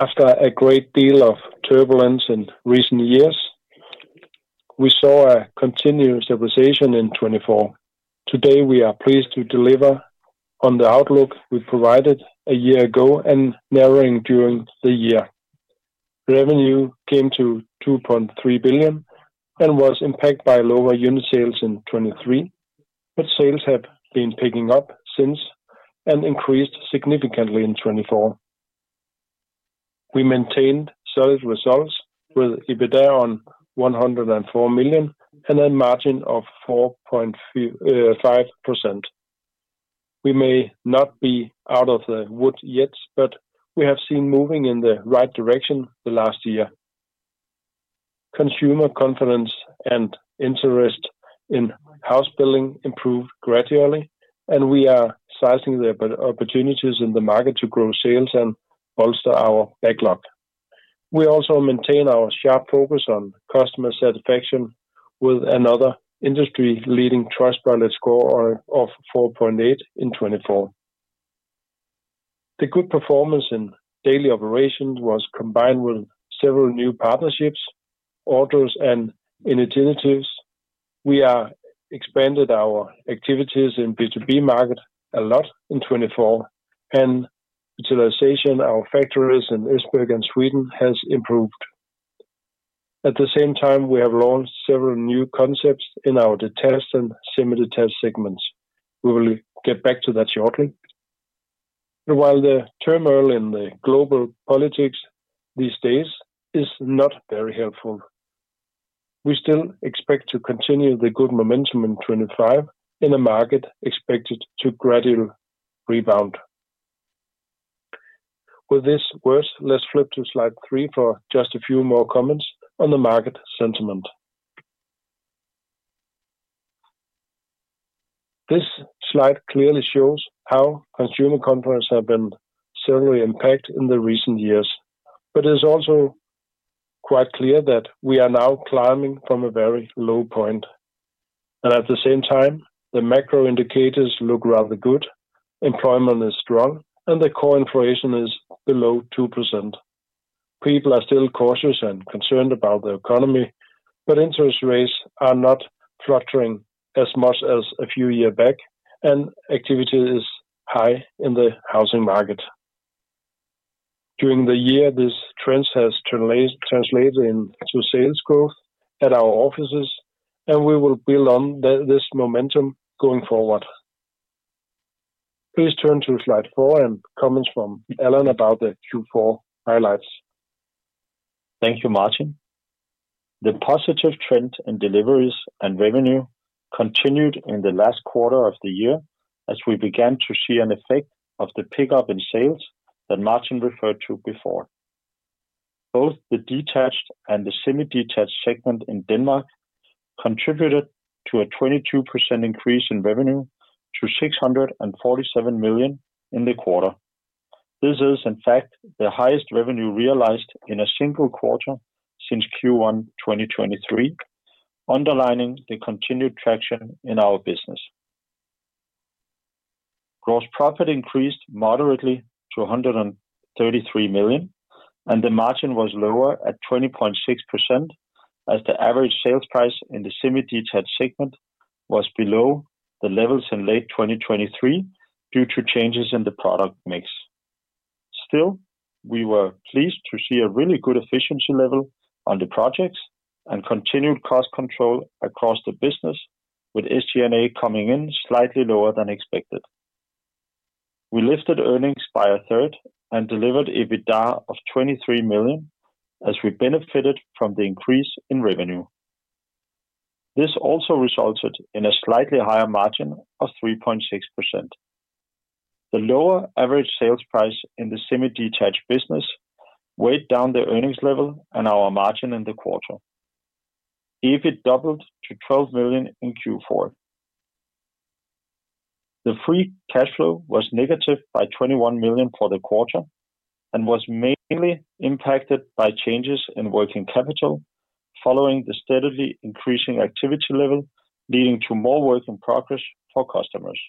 After a great deal of turbulence in recent years, we saw a continued stabilization in 2024. Today, we are pleased to deliver on the outlook we provided a year ago and narrowing during the year. Revenue came to 2.3 billion and was impacted by lower unit sales in 2023, but sales have been picking up since and increased significantly in 2024. We maintained solid results with EBITDA of 104 million and a margin of 4.5%. We may not be out of the woods yet, but we have seen moving in the right direction the last year. Consumer confidence and interest in house building improved gradually, and we are seizing the opportunities in the market to grow sales and bolster our backlog. We also maintain our sharp focus on customer satisfaction with another industry-leading Trustpilot score of 4.8 in 2024. The good performance in daily operations was combined with several new partnerships, orders, and initiatives. We have expanded our activities in the B2B market a lot in 2024, and utilization of our factories in Esbjerg and Sweden has improved. At the same time, we have launched several new concepts in our detached and semi-detached segments. We will get back to that shortly. While the turmoil in the global politics these days is not very helpful, we still expect to continue the good momentum in 2025 in a market expected to gradually rebound. With this word, let's flip to slide three for just a few more comments on the market sentiment. This slide clearly shows how consumer confidence has been severely impacted in the recent years, but it is also quite clear that we are now climbing from a very low point. At the same time, the macro indicators look rather good. Employment is strong, and the core inflation is below 2%. People are still cautious and concerned about the economy, but interest rates are not fluctuating as much as a few years back, and activity is high in the housing market. During the year, this trend has translated into sales growth at our offices, and we will build on this momentum going forward. Please turn to slide four and comments from Allan about the Q4 highlights. Thank you, Martin. The positive trend in deliveries and revenue continued in the last quarter of the year as we began to see an effect of the pickup in sales that Martin referred to before. Both the detached and the semi-detached segment in Denmark contributed to a 22% increase in revenue to 647 million in the quarter. This is, in fact, the highest revenue realized in a single quarter since Q1 2023, underlining the continued traction in our business. Gross profit increased moderately to 133 million, and the margin was lower at 20.6% as the average sales price in the semi-detached segment was below the levels in late 2023 due to changes in the product mix. Still, we were pleased to see a really good efficiency level on the projects and continued cost control across the business, with SG&A coming in slightly lower than expected. We lifted earnings by a third and delivered EBITDA of 23 million as we benefited from the increase in revenue. This also resulted in a slightly higher margin of 3.6%. The lower average sales price in the semi-detached business weighed down the earnings level and our margin in the quarter. EBIT doubled to 12 million in Q4. The free cash flow was negative by 21 million for the quarter and was mainly impacted by changes in working capital following the steadily increasing activity level, leading to more work in progress for customers.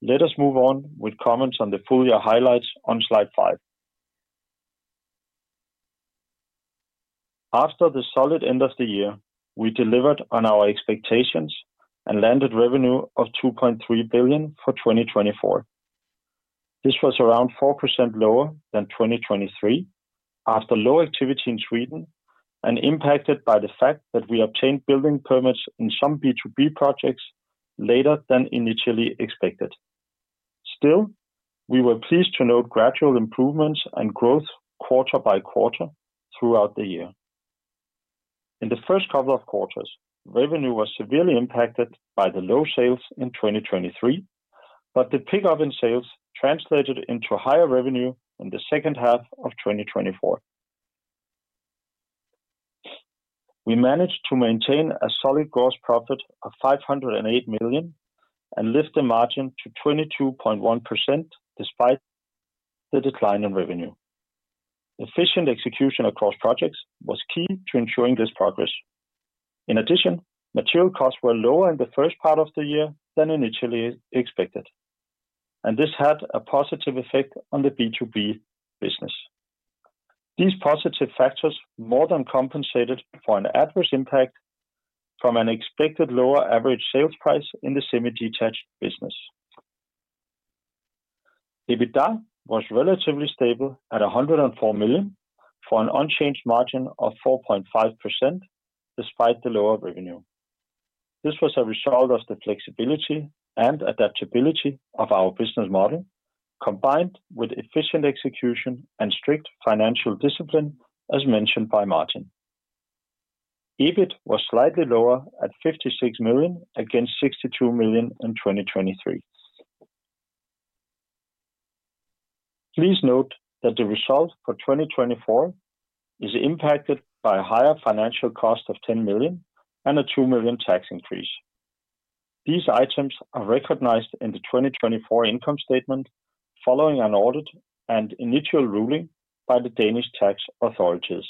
Let us move on with comments on the full year highlights on slide five. After the solid end of the year, we delivered on our expectations and landed revenue of 2.3 billion for 2024. This was around 4% lower than 2023 after low activity in Sweden and impacted by the fact that we obtained building permits in some B2B projects later than initially expected. Still, we were pleased to note gradual improvements and growth quarter by quarter throughout the year. In the first couple of quarters, revenue was severely impacted by the low sales in 2023, but the pickup in sales translated into higher revenue in the second half of 2024. We managed to maintain a solid gross profit of 508 million and lift the margin to 22.1% despite the decline in revenue. Efficient execution across projects was key to ensuring this progress. In addition, material costs were lower in the first part of the year than initially expected, and this had a positive effect on the B2B business. These positive factors more than compensated for an adverse impact from an expected lower average sales price in the semi-detached business. EBITDA was relatively stable at 104 million for an unchanged margin of 4.5% despite the lower revenue. This was a result of the flexibility and adaptability of our business model, combined with efficient execution and strict financial discipline as mentioned by Martin. EBIT was slightly lower at 56 million against 62 million in 2023. Please note that the result for 2024 is impacted by a higher financial cost of 10 million and a 2 million tax increase. These items are recognized in the 2024 income statement following an audit and initial ruling by the Danish tax authorities.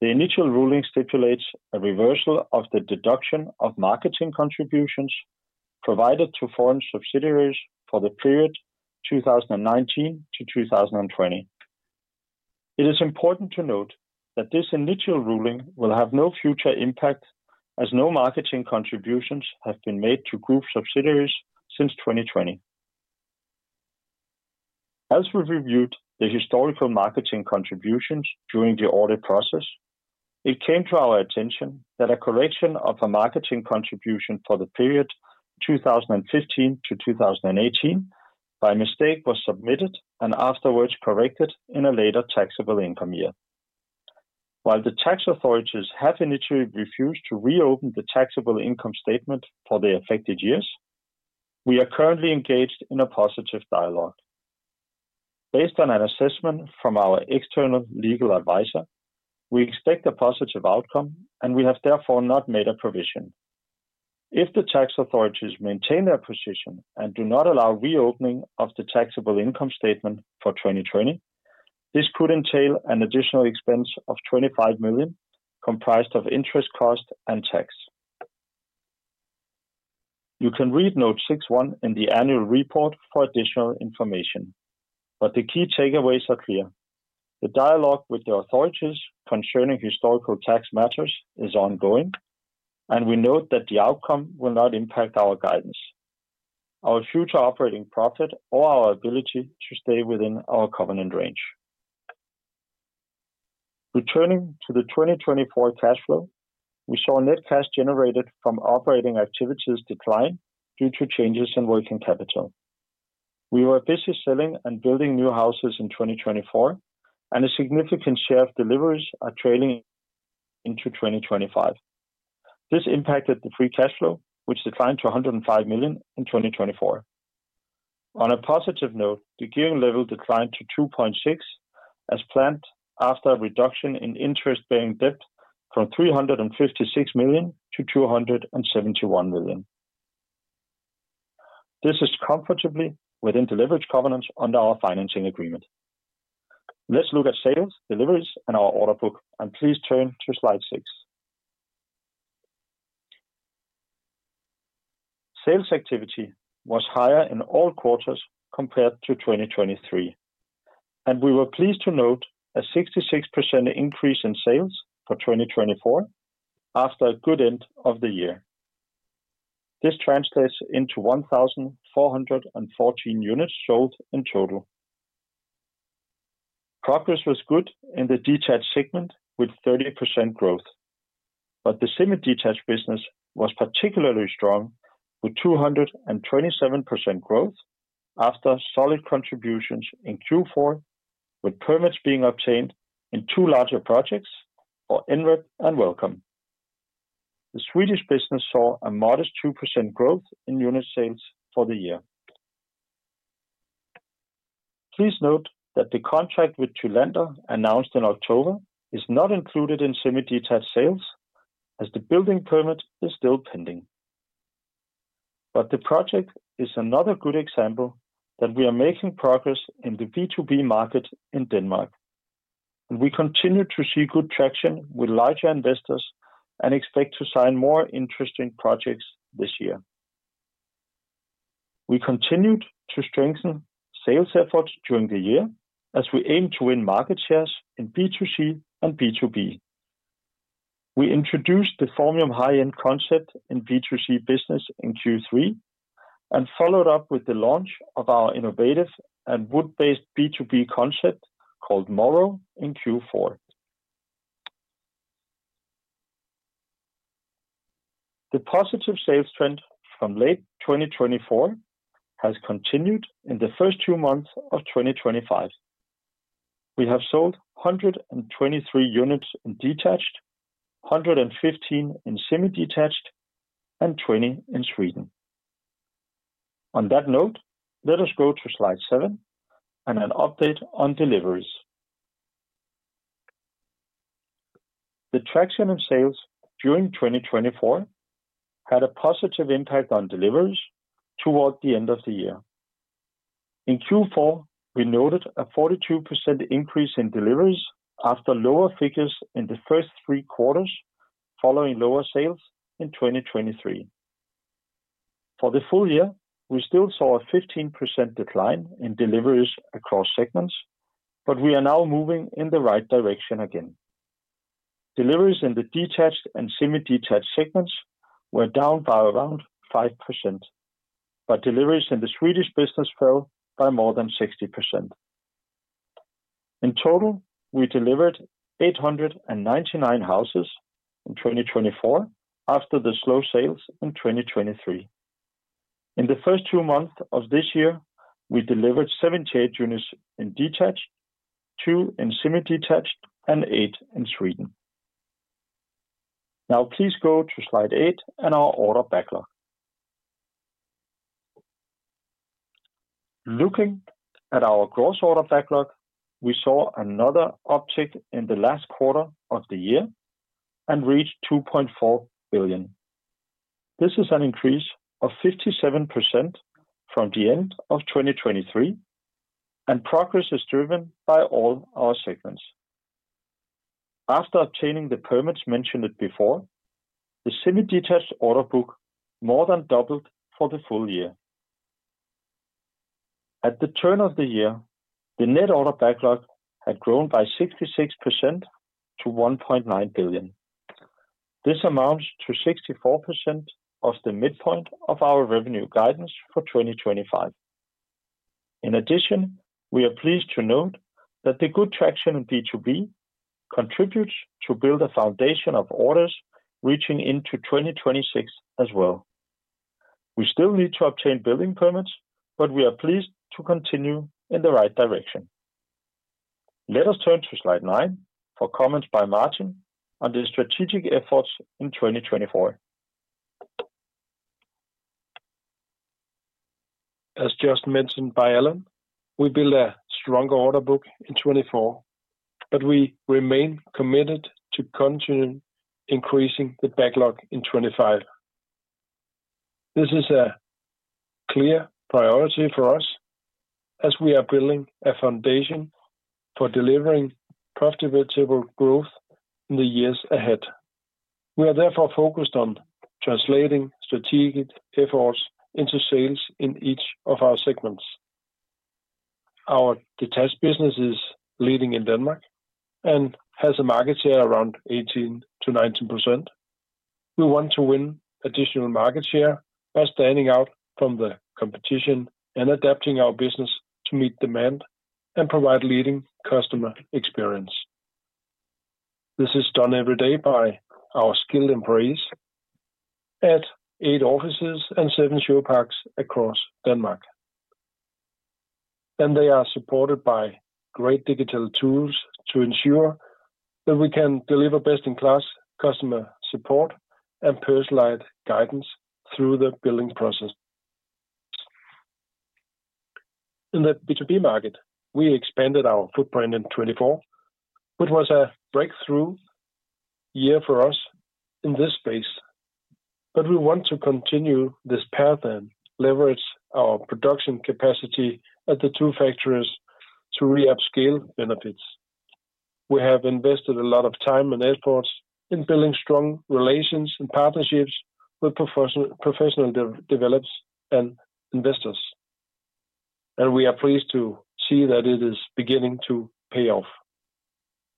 The initial ruling stipulates a reversal of the deduction of marketing contributions provided to foreign subsidiaries for the period 2019 to 2020. It is important to note that this initial ruling will have no future impact as no marketing contributions have been made to group subsidiaries since 2020. As we reviewed the historical marketing contributions during the audit process, it came to our attention that a correction of a marketing contribution for the period 2015 to 2018 by mistake was submitted and afterwards corrected in a later taxable income year. While the tax authorities have initially refused to reopen the taxable income statement for the affected years, we are currently engaged in a positive dialogue. Based on an assessment from our external legal advisor, we expect a positive outcome, and we have therefore not made a provision. If the tax authorities maintain their position and do not allow reopening of the taxable income statement for 2020, this could entail an additional expense of 25 million comprised of interest cost and tax. You can read note 6.1 in the annual report for additional information, but the key takeaways are clear. The dialogue with the authorities concerning historical tax matters is ongoing, and we note that the outcome will not impact our guidance, our future operating profit, or our ability to stay within our covenant range. Returning to the 2024 cash flow, we saw net cash generated from operating activities decline due to changes in working capital. We were busy selling and building new houses in 2024, and a significant share of deliveries are trailing into 2025. This impacted the free cash flow, which declined to 105 million in 2024. On a positive note, the gearing level declined to 2.6% as planned after a reduction in interest-bearing debt from 356 million to 271 million. This is comfortably within delivery covenants under our financing agreement. Let's look at sales, deliveries, and our order book, and please turn to slide six. Sales activity was higher in all quarters compared to 2023, and we were pleased to note a 66% increase in sales for 2024 after a good end of the year. This translates into 1,414 units sold in total. Progress was good in the detached segment with 30% growth, but the semi-detached business was particularly strong with 227% growth after solid contributions in Q4, with permits being obtained in two larger projects, NREP and Velkomn. The Swedish business saw a modest 2% growth in unit sales for the year. Please note that the contract with Thylander announced in October is not included in semi-detached sales as the building permit is still pending. The project is another good example that we are making progress in the B2B market in Denmark, and we continue to see good traction with larger investors and expect to sign more interesting projects this year. We continued to strengthen sales efforts during the year as we aim to win market shares in B2C and B2B. We introduced the Formium high-end concept in B2C business in Q3 and followed up with the launch of our innovative and wood-based B2B concept called Morrow in Q4. The positive sales trend from late 2024 has continued in the first two months of 2025. We have sold 123 units in detached, 115 in semi-detached, and 20 in Sweden. On that note, let us go to slide seven and an update on deliveries. The traction in sales during 2024 had a positive impact on deliveries toward the end of the year. In Q4, we noted a 42% increase in deliveries after lower figures in the first three quarters following lower sales in 2023. For the full year, we still saw a 15% decline in deliveries across segments, but we are now moving in the right direction again. Deliveries in the detached and semi-detached segments were down by around 5%, but deliveries in the Swedish business fell by more than 60%. In total, we delivered 899 houses in 2024 after the slow sales in 2023. In the first two months of this year, we delivered 78 units in detached, 2 in semi-detached, and 8 in Sweden. Now, please go to slide eight and our order backlog. Looking at our gross order backlog, we saw another uptick in the last quarter of the year and reached 2.4 billion. This is an increase of 57% from the end of 2023, and progress is driven by all our segments. After obtaining the permits mentioned before, the semi-detached order book more than doubled for the full year. At the turn of the year, the net order backlog had grown by 66% to 1.9 billion. This amounts to 64% of the midpoint of our revenue guidance for 2025. In addition, we are pleased to note that the good traction in B2B contributes to build a foundation of orders reaching into 2026 as well. We still need to obtain building permits, but we are pleased to continue in the right direction. Let us turn to slide nine for comments by Martin on the strategic efforts in 2024. As just mentioned by Allan, we built a stronger order book in 2024, but we remain committed to continuing increasing the backlog in 2025. This is a clear priority for us as we are building a foundation for delivering profitable growth in the years ahead. We are therefore focused on translating strategic efforts into sales in each of our segments. Our detached business is leading in Denmark and has a market share around 18%-19%. We want to win additional market share by standing out from the competition and adapting our business to meet demand and provide leading customer experience. This is done every day by our skilled employees at eight offices and seven show parks across Denmark. They are supported by great digital tools to ensure that we can deliver best-in-class customer support and personalized guidance through the billing process. In the B2B market, we expanded our footprint in 2024, which was a breakthrough year for us in this space. We want to continue this path and leverage our production capacity at the two factories to re-upscale benefits. We have invested a lot of time and effort in building strong relations and partnerships with professional developers and investors, and we are pleased to see that it is beginning to pay off.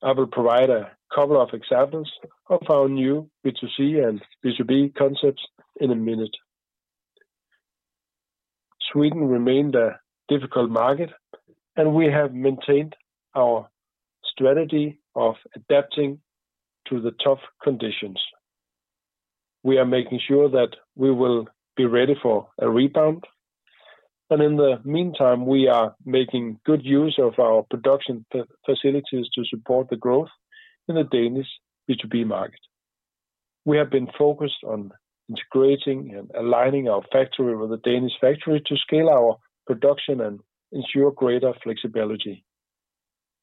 I will provide a couple of examples of our new B2C and B2B concepts in a minute. Sweden remained a difficult market, and we have maintained our strategy of adapting to the tough conditions. We are making sure that we will be ready for a rebound, and in the meantime, we are making good use of our production facilities to support the growth in the Danish B2B market. We have been focused on integrating and aligning our factory with the Danish factory to scale our production and ensure greater flexibility.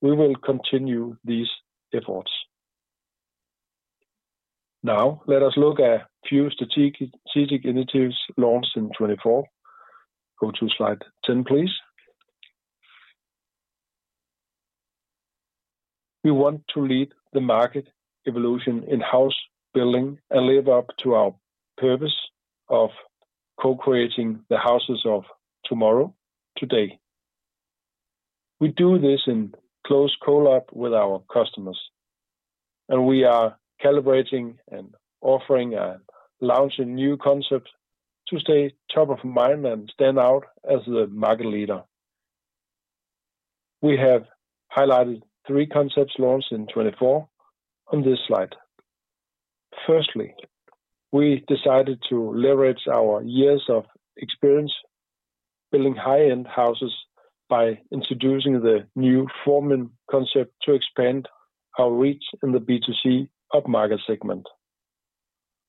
We will continue these efforts. Now, let us look at a few strategic initiatives launched in 2024. Go to slide 10, please. We want to lead the market evolution in house building and live up to our purpose of co-creating the houses of tomorrow today. We do this in close collab with our customers, and we are calibrating and offering a launch in new concepts to stay top of mind and stand out as the market leader. We have highlighted three concepts launched in 2024 on this slide. Firstly, we decided to leverage our years of experience building high-end houses by introducing the new Formium concept to expand our reach in the B2C upmarket segment.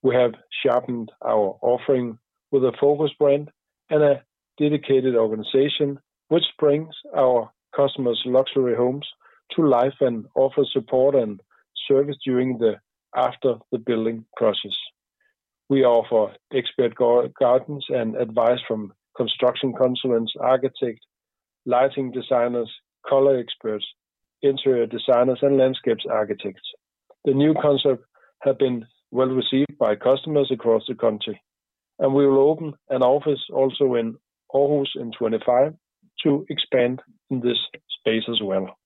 We have sharpened our offering with a focus brand and a dedicated organization, which brings our customers' luxury homes to life and offers support and service during the after the billing process. We offer expert guidance and advice from construction consultants, architects, lighting designers, color experts, interior designers, and landscape architects. The new concept has been well received by customers across the country, and we will open an office also in Aarhus in 2025 to expand in this space as well.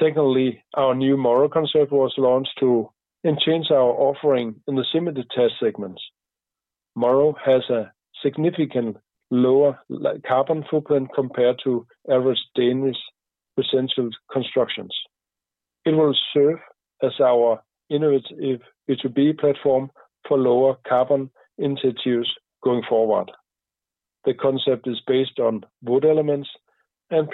Secondly, our new Morrow concept was launched to enhance our offering in the semi-detached segments. Morrow has a significantly lower carbon footprint compared to average Danish residential constructions. It will serve as our innovative B2B platform for lower carbon initiatives going forward. The concept is based on wood elements and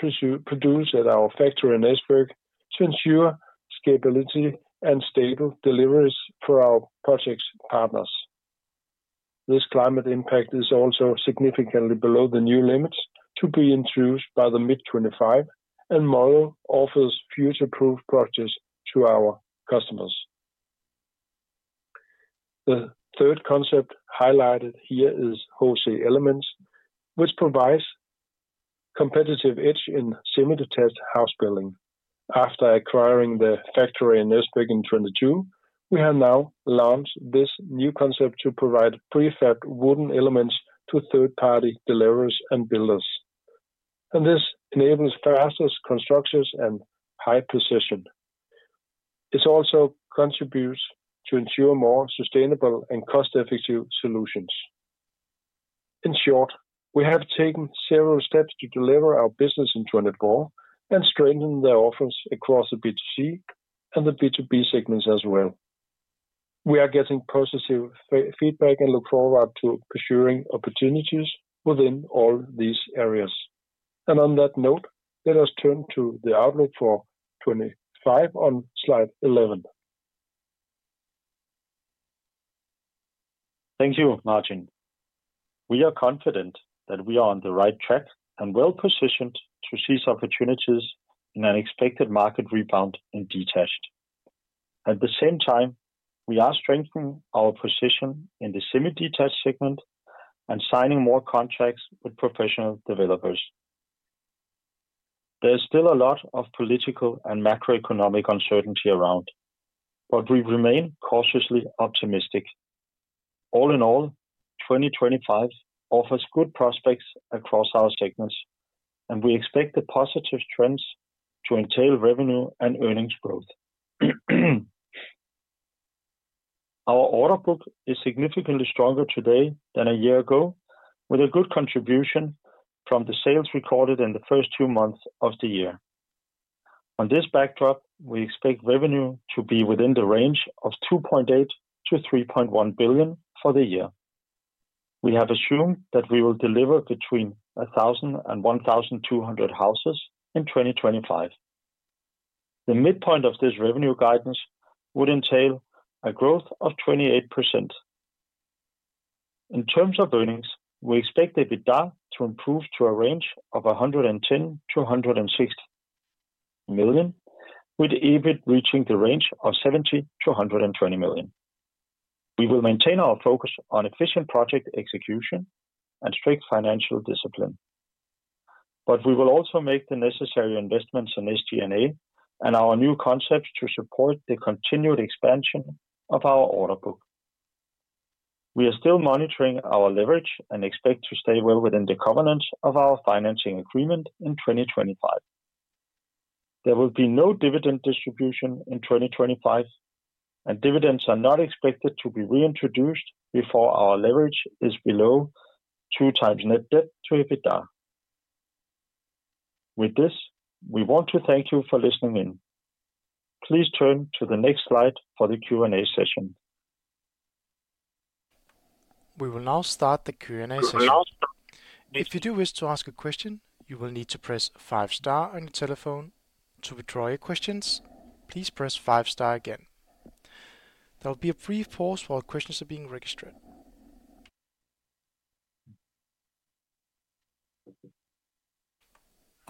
produced at our factory in Esbjerg to ensure scalability and stable deliveries for our project partners. This climate impact is also significantly below the new limits to be introduced by mid-2025, and Morrow offers future-proof projects to our customers. The third concept highlighted here is HC Elements, which provides a competitive edge in semi-detached house building. After acquiring the factory in Esbjerg in 2022, we have now launched this new concept to provide prefab wooden elements to third-party developers and builders, and this enables fast constructions and high precision. It also contributes to ensure more sustainable and cost-effective solutions. In short, we have taken several steps to deliver our business in 2024 and strengthen the offers across the B2C and the B2B segments as well. We are getting positive feedback and look forward to pursuing opportunities within all these areas. Let us turn to the outlook for 2025 on slide 11. Thank you, Martin. We are confident that we are on the right track and well positioned to seize opportunities in an expected market rebound in detached. At the same time, we are strengthening our position in the semi-detached segment and signing more contracts with professional developers. There is still a lot of political and macroeconomic uncertainty around, but we remain cautiously optimistic. All in all, 2025 offers good prospects across our segments, and we expect the positive trends to entail revenue and earnings growth. Our order book is significantly stronger today than a year ago, with a good contribution from the sales recorded in the first two months of the year. On this backdrop, we expect revenue to be within the range of 2.8 billion-3.1 billion for the year. We have assumed that we will deliver between 1,000 and 1,200 houses in 2025. The midpoint of this revenue guidance would entail a growth of 28%. In terms of earnings, we expect EBITDA to improve to a range of 110 million-160 million, with EBIT reaching the range of 70 million-120 million. We will maintain our focus on efficient project execution and strict financial discipline, but we will also make the necessary investments in SG&A and our new concepts to support the continued expansion of our order book. We are still monitoring our leverage and expect to stay well within the covenants of our financing agreement in 2025. There will be no dividend distribution in 2025, and dividends are not expected to be reintroduced before our leverage is below two times net debt to EBITDA. With this, we want to thank you for listening in. Please turn to the next slide for the Q&A session. We will now start the Q&A session. If you do wish to ask a question, you will need to press five stars on your telephone to withdraw your questions. Please press five stars again. There will be a brief pause while questions are being registered.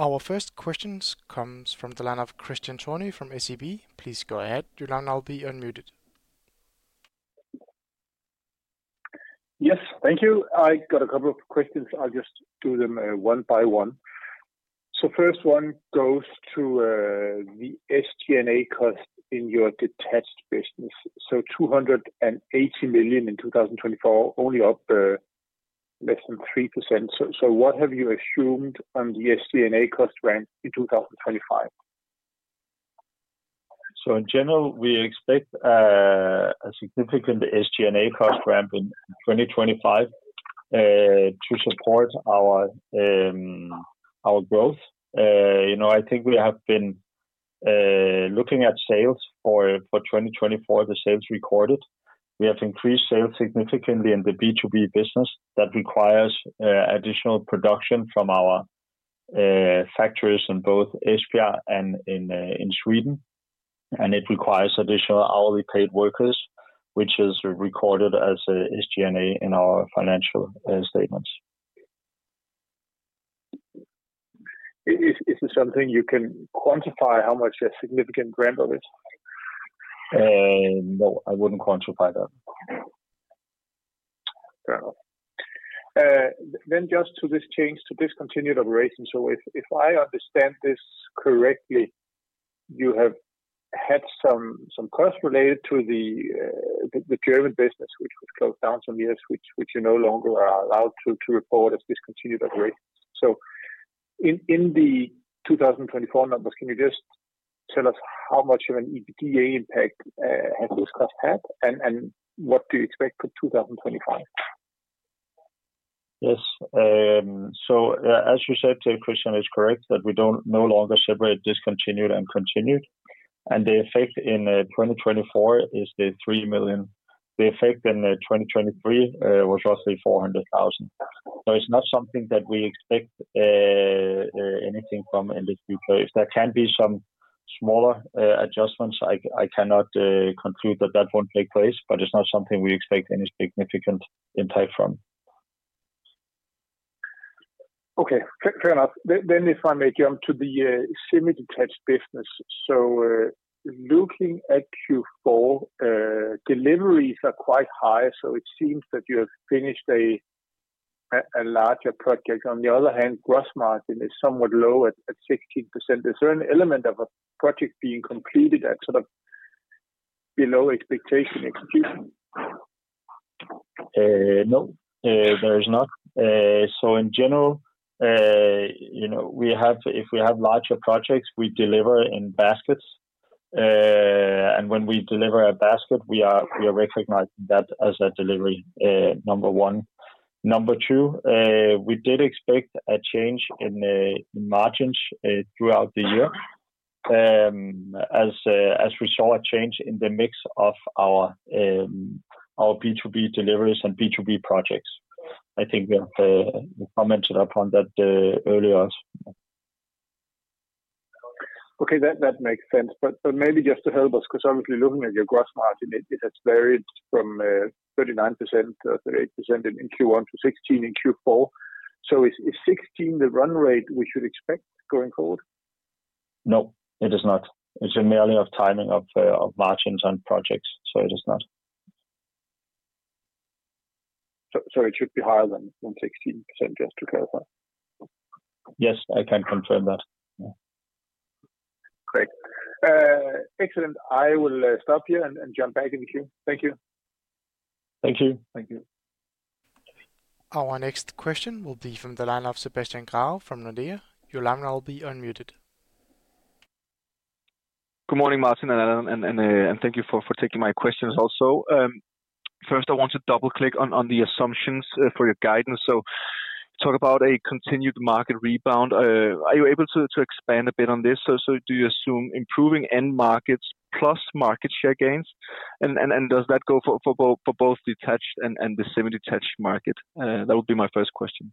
Our first question comes from the line of Kristian Tornøe from SEB. Please go ahead, your line, will be unmuted. Yes, thank you. I got a couple of questions. I'll just do them one by one. The first one goes to the SG&A cost in your detached business. 280 million in 2024, only up less than 3%. What have you assumed on the SG&A cost ramp in 2025? In general, we expect a significant SG&A cost ramp in 2025 to support our growth. I think we have been looking at sales for 2024, the sales recorded. We have increased sales significantly in the B2B business that requires additional production from our factories in both Esbjerg and in Sweden, and it requires additional hourly paid workers, which is recorded as SG&A in our financial statements. Is it something you can quantify how much a significant grant of it? No, I wouldn't quantify that. Just to this change to discontinued operations. If I understand this correctly, you have had some costs related to the German business, which was closed down some years, which you no longer are allowed to report as discontinued operations. In the 2024 numbers, can you just tell us how much of an EBITDA impact has this cost had, and what do you expect for 2025? Yes. As you said, Kristian is correct that we don't no longer separate discontinued and continued, and the effect in 2024 is the 3 million. The effect in 2023 was roughly 400,000. So it's not something that we expect anything from in this detail. If there can be some smaller adjustments, I cannot conclude that that won't take place, but it's not something we expect any significant impact from. Okay. Fair enough. If I may jump to the semi-detached business. Looking at Q4, deliveries are quite high, so it seems that you have finished a larger project. On the other hand, gross margin is somewhat low at 16%. Is there an element of a project being completed that's sort of below expectation execution? No, there is not. In general, if we have larger projects, we deliver in baskets, and when we deliver a basket, we are recognizing that as a delivery number one. Number two, we did expect a change in margins throughout the year as we saw a change in the mix of our B2B deliveries and B2B projects. I think you commented upon that earlier. Okay, that makes sense. Maybe just to help us, because obviously looking at your gross margin, it has varied from 39% or 38% in Q1 to 16% in Q4. Is 16% the run rate we should expect going forward? No, it is not. It is merely a timing of margins on projects, so it is not. It should be higher than 16%, just to clarify. Yes, I can confirm that. Great. Excellent. I will stop here and jump back in the queue. Thank you. Thank you. Our next question will be from the line of Sebastian Grau from Nordea. your line will be unmuted. Good morning, Martin and Allan, and thank you for taking my questions also. First, I want to double-click on the assumptions for your guidance. You talk about a continued market rebound. Are you able to expand a bit on this? Do you assume improving end markets plus market share gains, and does that go for both detached and the semi-detached market? That would be my first question.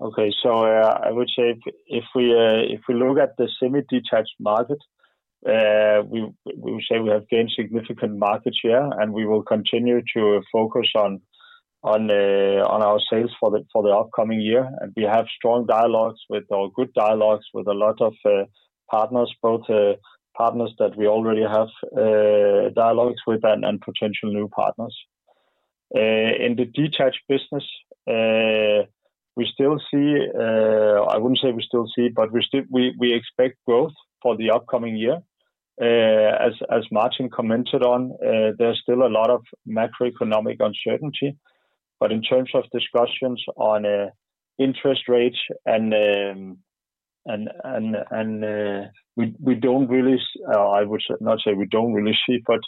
Okay. I would say if we look at the semi-detached market, we would say we have gained significant market share, and we will continue to focus on our sales for the upcoming year. We have strong dialogues with our good dialogues with a lot of partners, both partners that we already have dialogues with and potential new partners. In the detached business, we still see—I would not say we still see—but we expect growth for the upcoming year. As Martin commented on, there's still a lot of macroeconomic uncertainty, but in terms of discussions on interest rates, we don't really—I would not say we don't really see—but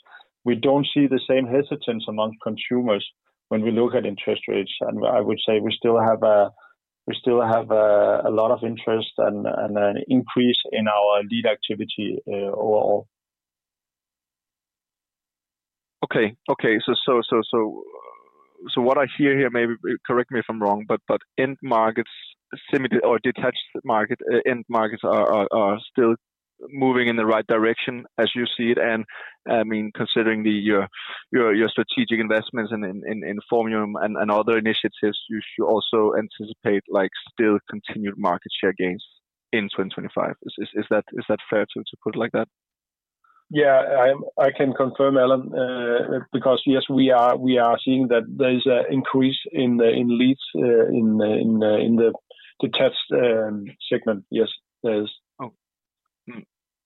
we don't see the same hesitance among consumers when we look at interest rates. I would say we still have a lot of interest and an increase in our lead activity overall. Okay. Okay. What I hear here—maybe correct me if I'm wrong—but end markets, semi or detached market end markets are still moving in the right direction as you see it. I mean, considering your strategic investments in Formium and other initiatives, you also anticipate still continued market share gains in 2025. Is that fair to put it like that? Yeah, I can confirm, Allan, because yes, we are seeing that there's an increase in leads in the detached segment. Yes, there is.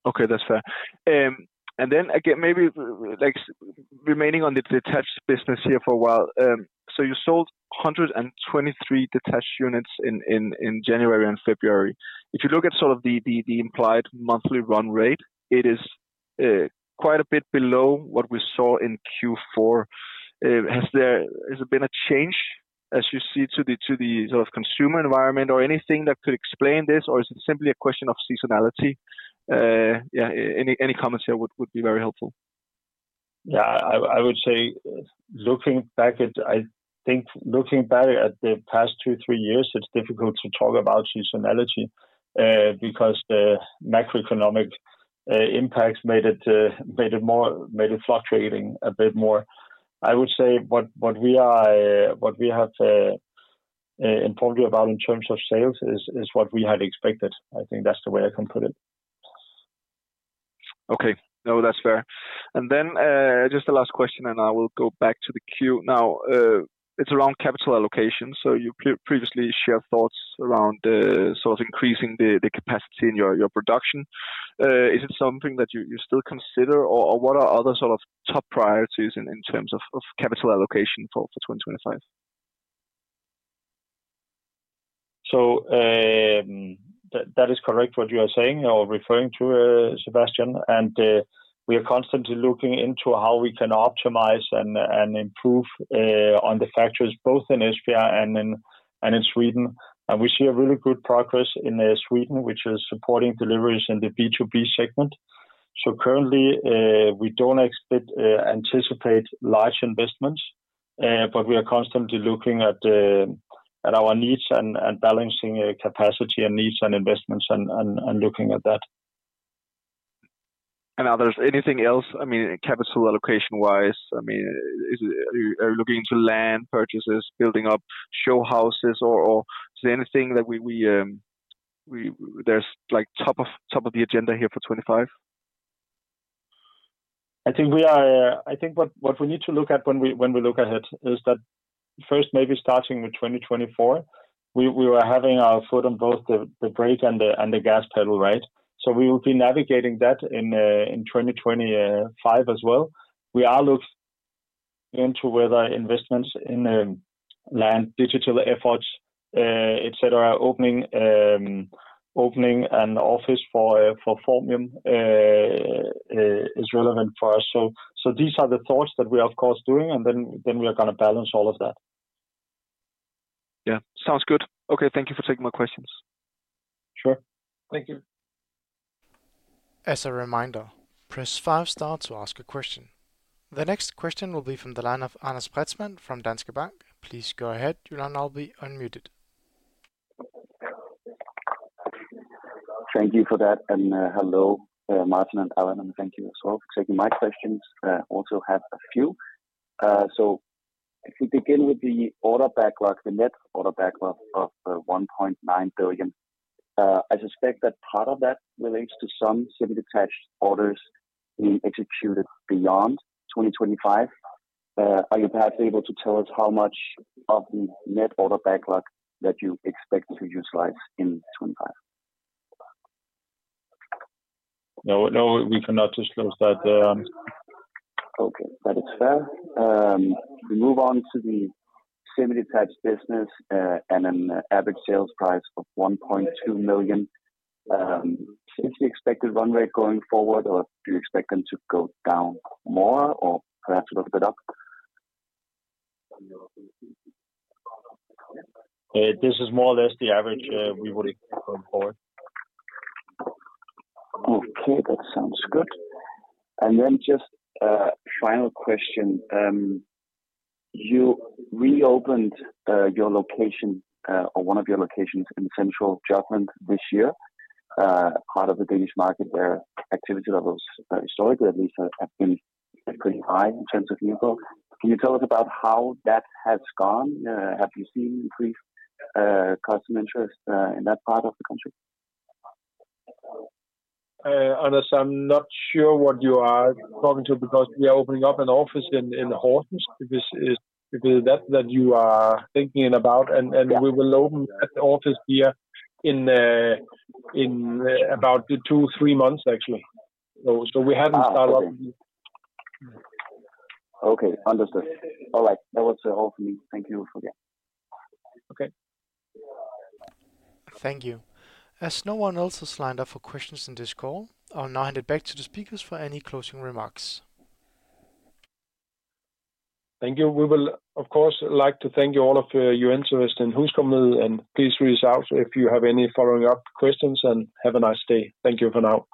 Okay, that's fair. Maybe remaining on the detached business here for a while. You sold 123 detached units in January and February. If you look at sort of the implied monthly run rate, it is quite a bit below what we saw in Q4. Has there been a change as you see to the sort of consumer environment or anything that could explain this, or is it simply a question of seasonality? Any comments here would be very helpful. I would say looking back at—I think looking back at the past two, three years, it's difficult to talk about seasonality because the macroeconomic impacts made it fluctuating a bit more. I would say what we have informed you about in terms of sales is what we had expected. I think that's the way I can put it. Okay. No, that's fair. Just the last question, and I will go back to the queue. Now, it's around capital allocation. You previously shared thoughts around sort of increasing the capacity in your production. Is it something that you still consider, or what are other sort of top priorities in terms of capital allocation for 2025? That is correct what you are saying or referring to, Sebastian. We are constantly looking into how we can optimize and improve on the factories both in Esbjerg and in Sweden. We see really good progress in Sweden, which is supporting deliveries in the B2B segment. Currently, we do not anticipate large investments, but we are constantly looking at our needs and balancing capacity and needs and investments and looking at that. Anything else? I mean, capital allocation-wise, I mean, are you looking into land purchases, building up showhouses, or is there anything that there's top of the agenda here for 2025? I think what we need to look at when we look ahead is that first, maybe starting with 2024, we were having our foot on both the brake and the gas pedal, right? We will be navigating that in 2025 as well. We are looking into whether investments in land, digital efforts, etc., opening an office for Formium is relevant for us. These are the thoughts that we are, of course, doing, and then we are going to balance all of that. Yeah. Sounds good. Okay. Thank you for taking my questions. Sure. Thank you. As a reminder, press five star to ask a question. The next question will be from the line of Allan Spretzmann from Danske Bank. Please go ahead, your line, will be unmuted. Thank you for that. Hello, Martin and Allan, and thank you as well for taking my questions. I also have a few. If we begin with the order backlog, the net order backlog of 1.9 billion, I suspect that part of that relates to some semi-detached orders being executed beyond 2025. Are you perhaps able to tell us how much of the net order backlog that you expect to utilize in 2025? No, we cannot disclose that. Okay. That is fair. We move on to the semi-detached business and an average sales price of 1.2 million. Is the expected run rate going forward, or do you expect them to go down more or perhaps a little bit up? This is more or less the average we would expect going forward. Okay. That sounds good. And then just a final question. You reopened your location or one of your locations in central Jutland this year, part of the Danish market where activity levels historically, at least, have been pretty high in terms of new growth. Can you tell us about how that has gone? Have you seen increased customer interest in that part of the country? Allan, I'm not sure what you are talking to because we are opening up an office in Horsens. Is that that you are thinking about? We will open that office here in about two, three months, actually. We haven't started off. Okay. Understood. All right. That was all for me. Thank you for the— Okay. Thank you. As no one else has lined up for questions in this call, I'll now hand it back to the speakers for any closing remarks. Thank you. We will, of course, like to thank you all for your interest in HusCompagniet, and please reach out if you have any follow-up questions, and have a nice day. Thank you for now.